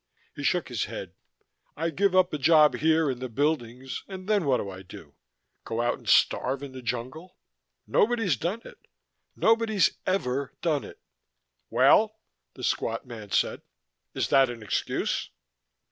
He shook his head. "I give up a job here in the Buildings, and then what do I do? Go out and starve in the jungle? Nobody's done it, nobody's ever done it." "Well?" the squat man said. "Is that an excuse?"